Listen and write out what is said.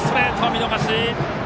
見逃し！